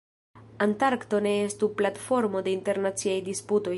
Antarkto ne estu platformo de internaciaj disputoj.